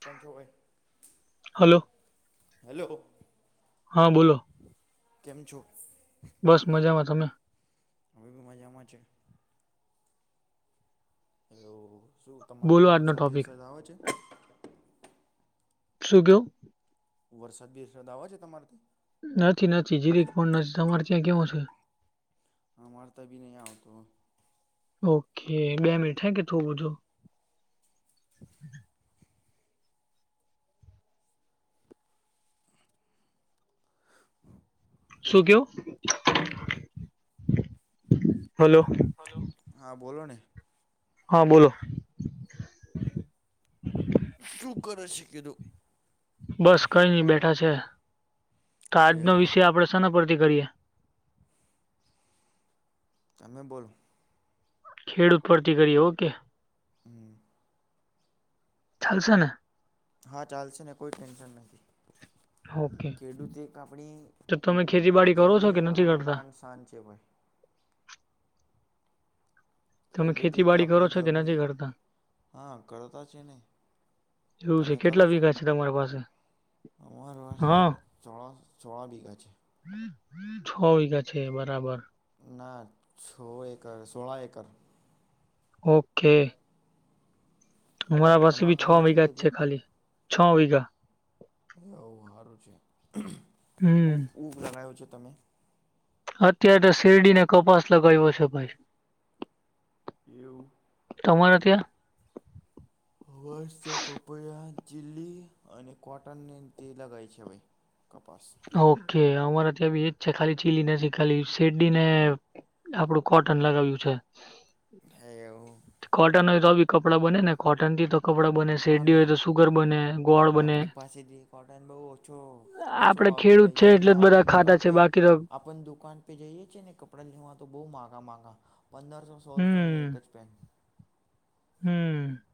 કોણ છો ભાઈ? હલો! હેલો! કેમ છો? બસ મજામાં. તમે? અમે ભી મજામાં છે. હલો! શું તમારે પણ વરસાદ-બરસાદ આવે છે? શું કયો? વરસાદ બરસાદ આવે છે. તમારે ત્યાં! નથી નથી જીરીક પણ નથી. તમારે ત્યાં કેવો છે? હા, અમારે ત્યાં બી નહી આવ તો. ઓકે બે મિનિટ હે કે થોવું જો. [inaudible] [inaudible] શું કયો? હલો! હલો! હા બોલો ને. હા, બોલો. શું કરે છે? એ કીધું. બસ કઈ નઈ બેઠા છે. તો આજનો વિષય આપડે શેના પરથી કરીએ? તમે બોલો. ખેડૂત પરથી કરીએ. ઓકે... હમ્મ. ચાલસે ને? હા, ચાલશે ને! કોઈ ટેન્શન નથી. ખેડૂત એક આપણી જગની આનબાણ શાન છે. ભાઈ. તમે ખેતીવાડી કરો છો? કે નથી કરતા. જોવું છે. કેટલા વીઘા છે? તમારા પાસે. અમારી પાસે સવા છ વીઘા છે. છો વીઘા છે બરાબર. ના છો એકર સોળા એકર. ઓકે. મારા પાસે ભી છ વિઘા જ છે ખાલી છ વિઘા એવ હારું છે ઉબ ઉબ લગાયો છે તમે. અત્યારે તો શેરડીને કપાસ લગાવ્યો છે ભાઈ એવુ. હવર્સ પપોયા ચીલી અને કોટનને તે લગાય છે ભાઈ. કપાસ. ઓકે અમારે ત્યાં બી ઈજ છે ખાલી ચીલી નથી ખાલી શેરડી ને. આપડું કોટન લગાવ્યું છે. હે એવો. કોટન હોય તો બી કપડાં બને ને કોટન થી તો કપડાં બને શેરડી હોય તો સુગર બને. આપડી પાસેથી કોટન બહુ ઓછો ઓછો ભાવ તી લઈજાય ને આપન દુકાન પે. આપણ દુકાન પે જઈએ છીએ ને કપડાં લેવા તો બહુ માગા માંગા પંદરસો સોલસો ની એક જ પેન. હમ્મ.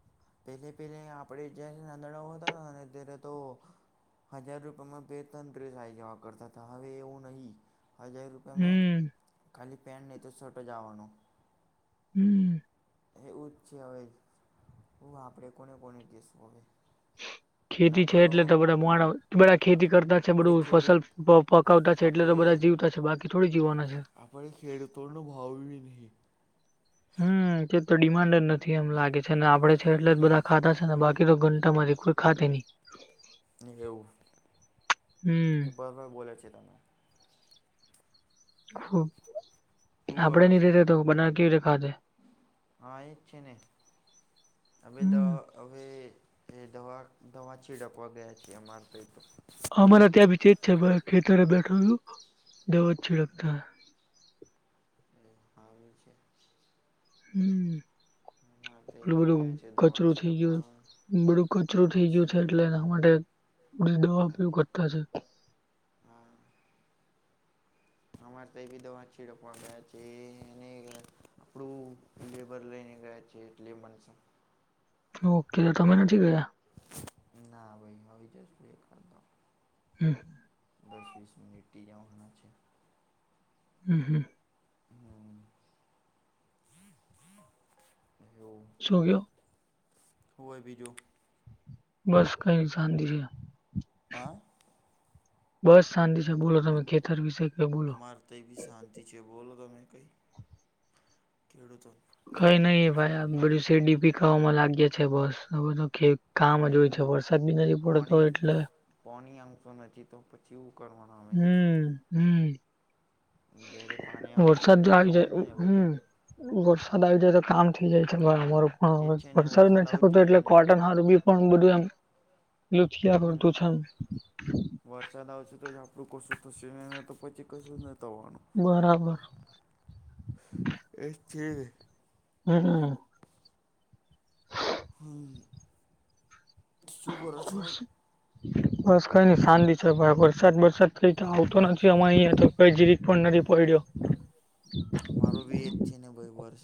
તે જે પયરા હે આપણેે જારે નાંદડાઓ હતા ત્યારે તો. હજાર રૂપિયામાં બે તન આવી જવા કરતા હતા હવે એવું નહીં હજાર રૂ મે ખાલી પેન નહીં તો સર્ટ જ આવવાનો હમ્મ. એવું જ છે હવે. હું આપડણે કોને કોને કે શું હવે. ખેતી છે એટલે તો બધા મો બધા ખેતી કરતા છે બધું ફસલ પ પકાવતા છે એટલે તો બધા જીવતા છે બાકી થોડી જીવવાના છે. પણ ખેડતો નુ ભાવ વી નહીં. હમ્મ એ તો ડિમાન્ડ જ નથી એમ લાગે છે ને આપડે છે એટલે જ બધા ખાતા છે ને બાકી તો ઘંટામાંરી કોઈ ખાતે નય. એવું એ બરબર બોલે છે તમે. આપડે ની રીતે તો બનાવ કેવી રે ખાતે. હા એ છે ને હવે તો હવે. એ દવા દવા છીડકવા ગયા છે અમારે તે તો અમારા ત્યાં બી ચેજ છે ખેતરે બેઠોછું દવાજ છિડકતા. એ હારુ છે. હમ્મ. રોલુ બધું કચરું થઇ ગયું બધું કચરું થઇ ગયું છે એટલે એના માટે બીજુ દવા ઉપયોગ કરતા હશે. હા. અમારે તો એ બી દવા છીડકવા ગયા છે એને આપડું લેબર લઈને ગયા છે એટલે મનસા. ઓકે તો તમે નથી ગયા. ના ભાઈ હવે જ વેટ કર દો. હમ. દસ વીસ મિનિટથી જવાના છે. હમ હમ. એવ. સો ગયો. હોવે બીજું. બસ કઈ શાંતિ છે. બસ શાંતિ છે બોલો તમે ખેતર વિશે કે બોલો. કેવી શાંતિ છે બોલ તમે કઈ ખેડૂતો કઈ નહી ભાઈ આ બધું શેરડી ભી ખાવામાં લાગે છે બસધ ખે કામ જ હોય છે વરસાદ બી નથી પડતો એટલે. ફોન એય આવતો નથી તો પછી કરવાનું. હમ હમ વરસાદ જો આવી જાય હમ વરસાદ આવી જાય તો કામ થઇ જાય છે અમાર પણ વરસાદ નથી આવતો એટલે કોટન મારું બી પણ બધું એમ લુચયા કરતું છે એમ. વરસાદ આવશે તો જ આપડું કશું થશે ને તો પછી કશું ન થવાનું. બરાબર એશ ચી હમ હમ હમ બસ કઈ નઈ શાંતિ છે ભાઈ વરસાદ વરસાદ કઈ તો આવતો નથી. અયા તો કઈ જીરી પણ નથી પડી રયો. મારું બી એ જ છે ને ભય વર્ષ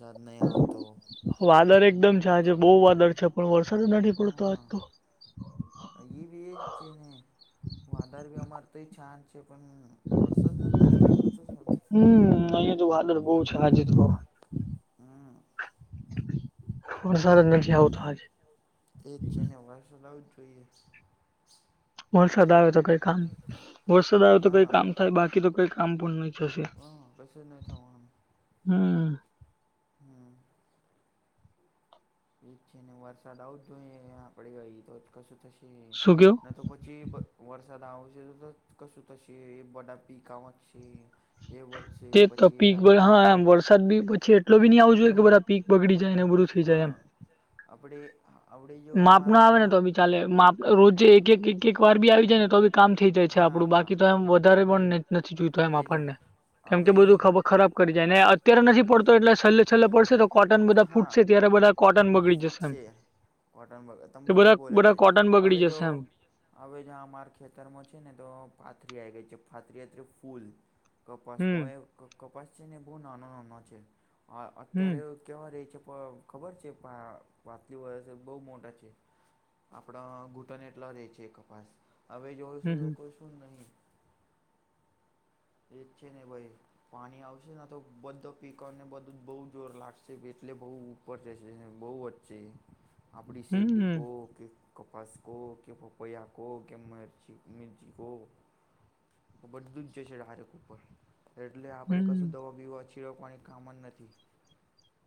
વાદળ એકદમ છે આજે બહ વાદળ છે પણ વરસાદ નથી પડતો આજ તો અ એ બી ચેને વધાર વ અમાર તો એ છાન છે પણ વરસાદ જ નથી પડતો સાડો હમ અહીંયા તો વાદર બહ છે હજ તો હમ બસા એ ચીને વરસાદ લાવું જ જોઈએ. વરસાદ આવે તો કઈ કામ વરસાદ આવે તો કઈ કામ થાય બાકી તો કઈ કામ પણ નહી. હા કસ નહી થવાનું. હમ હમ એ છે ને વરસાદ આવું જ જોઈએ આપડે તો જ કશું થશે ન તો વરસાદ આવેશે કશ તશે બડા પીક વધશે. તે તો પીક હા એ વરસાદ બી પછી એટલો બી નહી આવું જોઈએ કે બધા પીક બગડી જાય ને બધું વિજય આપણે માપ ન આવે ને તો બી ચાલે માપ રોજ એક એક એક વાર બી આવી જાય ને તો બી કામ થઈ જાય. છે આપડું બાકી તો એમ વધારે પણ નથી જોઈતુ એમ આપણને. કેમ કે બધું ખબર ખરાબ કરી જાય ને અત્યારે નથી પડતો એટલે છેલ્લે છેલ્લે પડશે તો કોટન બધા ફૂટશે ત્યારે બધા ફૂટશે છે કોટન બધા બગડી જશે બરોબર બોલે છે હવે જો હવે જ અમા ખેતરમાં છે ને તો પાથરી આવી ગઈ છે પાથરીયાત્ર્રી ફૂલ કપાસ એ કપાસ છે ને બહુ નાનો નાનો છે અત્યારે કેવા રે છે પણ ખબર છે વાતલી વય છે બહુ મોટા છે. આપણા ઘૂટન એટલા રે છે કપાસ હવે જોઈશું તો કોઈ શું નહીં [inaudible] એક છેેને ભાઈ પાણી આવશેને તો બધા પીકને બધું જ બહુ જોર લાગશે એટલે બઉ ઉપર બહુ વચ્ચે આપડી શેરડી કે કપાસ કો કે પપૈયા કો કે મિર્ચી મિર્ચી કો આ બધું જ જશે હારે કૂ ઉપર એટલે આપણે કશું દવા બીવા છીડકવાની કામ જ નથી.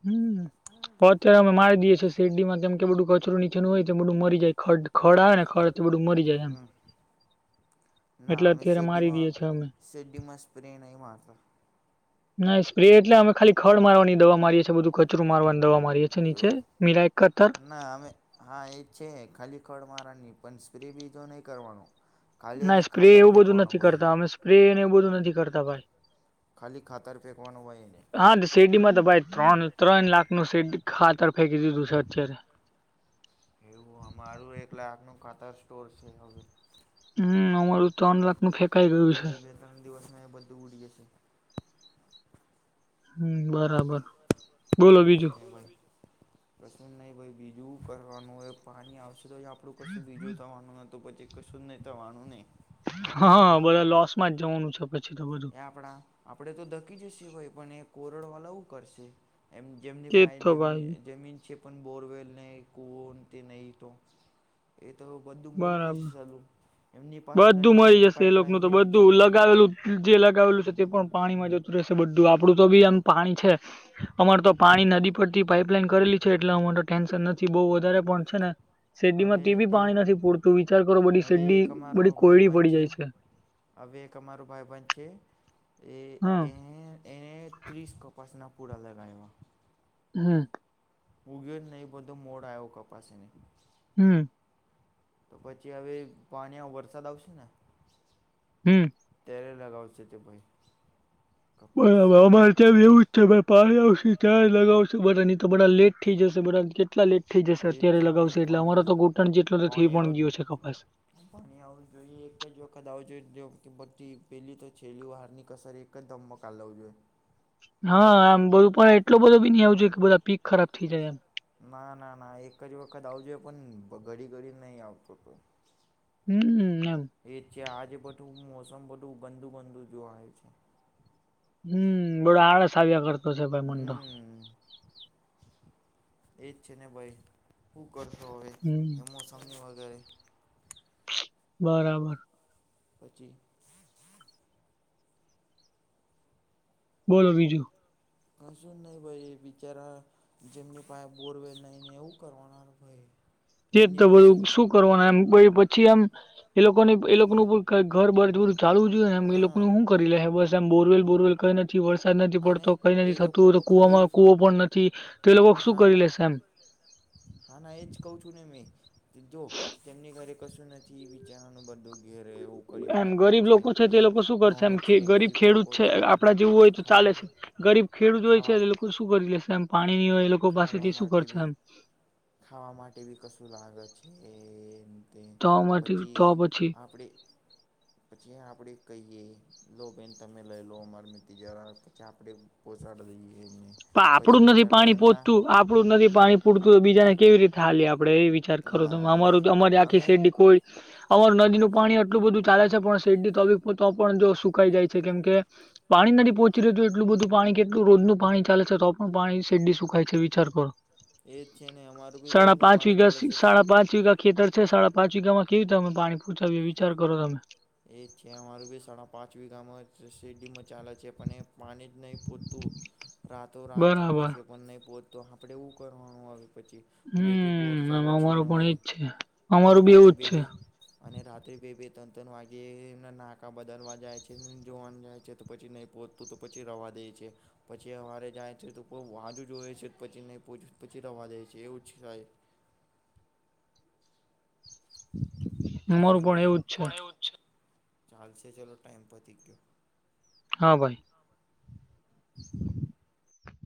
હમ હમ અત્યારે અમે મારી દએ છીએ શેરડીમાં કે બધું કચરોું નીચે નો હોય બધું મરી જાય ખ ખડ આવે ને ખડે તો બધું મરી હમ ના અમે શેરડીમાં સેરડીમાં સ્પ્રેના નઈ મારતા. ના એટલે અમે ખાલી ખડ મારવાની દવા મારીએ છીએ બધું કચરું મારવાની દવા મારીએ છીએ નીચે મીરા એકતર. ના અમે હા એ જ છે ખાલી ખળ મારાની પણ સ્પ્રે બીજો નહીં કરવાનો. ના સ્પ્રે એવું બધું નથી કરતા અમે સ્પ્રે એવું બધું નથી કરતા ભાઈ. હા શેરડીમાં તો ભાઈ ત્રણ ત્રણ લાખ નુ શેરડી ખાતર ફેકી દું તું સાત ચ્યારે. [unintelligible] એવું અમારું એક લાખ નું ખાતર સ્ટોર છે હવે. હમ અમારું ત્રણ લાખ નું ફેંકાઈ ગયું છે. ત્રણ દિવસ માં એ બધું ઉડી જશે. હમ બરાબર. [inaudible] પ્રસન નહીં ભાઈ બીજું કહેવાનું એ પાણી આશરે [unintelligible] તો જ કશું બીજું થવાનું ન હતું પછી કશું નહીં થવાનું નહી. હા બધા લોસ માં જ જવાનું છે પછી તો બધું. આપણા આપડે તો ડકી જ સિવાય પણ એ કોરડ વાલાવું કરશે. એમ જેમની ફાહે જમીન જમીન છે પણ બોરવેલનેહી કુવન તે નહી તો? એ તો બધું મરી જશે સાલું? બધું મળી જશે એ લોકોનું તો બધું લગાવેલું જે લગાવેલું છે તે પણ પાણી માં જતું રહેશે બધું આપડું તો બી આમ પાણી છે. અમાર તો પાણી નદી પરથી પાઇપલાઈન કરેલી છે એટલે અમા તો ટેન્શન નથી બહુ વધારે પણ છે ને શેરડી માં તે બી પાણી નથી પૂરતું વિચાર કરો બધ શેરડી બધી કોયડી પડી જાય છે. હવે એક અમારું ભાઈ બધ છે એ એ એણે ત્રીસ કપાસના પૂડા લગા આયવા. હમ. ઉગેલ નહી બધો મોડ આવ્યો કપાસી ને. હમ. તો પછી હવે પાણી વરસાદ આવશે ને હમ. ત્યારે લગાવશે તે ભાઈ. [inaudible] અમારે ત્યાં એવું ભાઈ પાસે આવશે ક્યાં લગાવશે બધા ની તો બધા લેટ થઈ જશે બધા કેટલા લેટ થઈ જશે અત્યારે લગાવશે એટલે અમારો તો ઘોંટણ જેટલો તો થઈ પણ ગયો છે કપાસ. પણ આવું જોઈએ એક જ વખત આવ જોઈએ બધી પેલી તો છેલ્લી વાારની કસર એક કય તો [unintelligible] જોઈ હા આમ બધું પણ એટલો બધો બી ન આવજ કે બધા પીક ખરાબ થઈ જાય એમ. ના ના ના એક જ વખત આવજો પણ ઘડી ઘડી નહીં આવતો તો તું. હમ એમ. એ છે આજે બધું મોસમ બધું ગંદુ ગંદુ જોવાય છે. હમ બધો આળસ આવ્યા કરતો છે [inaudible] એજ છે ને ભાઈ શું કરશો હવે એ મોસમની વગેરે? બરાબર. પછી? બોલો બીજું? કશું નહી ભાઈ બિચારા જેમની પાસે બોરવેલ નઈ ને એવું કરવાના ભાઈ? તે જ તો બધું શું કરવાનું એમ પછી એમ એ લોકો ને એ લોકોનું ઘર બર બરું ચાલવું જોઈએમ. એ લોકોનું હું કરી લે બસમ બોરવેલ બરવેલ કઈને. થી વરસાદ નથી પડતો કઈ નથી થતું તો કુવામાં કુવો પણ નથી તો એ લોકો શું કરી લેશે એમ. હા ના એ જ કહ છું ને મેં જો તેમની ઘરે કશું નથી બીચારાનું બધું ઘેર એવું. એમ ગરીબ લોકો છે તે એ લોકો શું કરશે એમ ગરીબ ખેડૂત છે આપડા જેવું હોય તો ચાલે છે. ગરીબ ખેડૂત હોય છે એ લોકો શું કરી લેશે એમ પાણીની હોય એ લોકો પાસેથી શું કરશે એમ. ખાવા માટે બી કશું લાગે છે તે પછી આપડે પછી આપડે કહીએ. લો બેન તમે લઈ લો અમારે મે તેજા રામ પછી આપણે પોચાડી લઈએ એને. પણ આપણું જ નથી પાણી પોહોચતું આપણું જ નથી પાણી પૂરતું તો બીજાને કેવી રીતે હાલીએ આપડે એ વિચાર. ખરો તમે અમારું તો અમારી આખી શેરડી કોઈ અમારુ નદીનુ પાણી એટલું બધું ચાલે છે પણ શેરડી તો બી તો પણ જો સુક સુકાય જાય છે કેમ કે પાણી નથી પહોંચી રહ્યું એટલું બધું પાણી કેટલું રોજનું પાણી છે. ચાલે છે તો પણ પાણી શેરડી સુખાય છે વિચાર કર. સાડા પાંચ વીઘા સાડા પાંચ વીઘા. ખેતર છે સાડા પાંચ વિઘામાં કેવી તમે પાણી પોચાવીએ વિચાર કરો તમે. એ છે અમારું બી સાડા પાંચ વીઘામાં શેરડીમાં ચાલે છે પણ એ પાણી જ નહી પોતું રાતો રાત ચાલે છે પણ નહીં પોચ તો આપણે હું કરવાનું આવે પછી. બે-બે બોર ચાલ છે અને વય અને રાતે બે-બે અને રાત્રે બી બે-બે ત્રણ. ત્રણ વાગ્યે એમના નાકા બદલવા જાય છે જોવાનું જાય છે તો પછી નહીં પહોંતું તો પછી રવા દે છે. પછી હવારે જાય છે તો વાજુ જોએ છે પછી નહી પછી રવા દે છે એવું જાય. [inaudible] એને ભાઈ પણ એવું જ છે ચાલ છે ચલો ટાઈમ પતી ગયો. હા ભાઈ.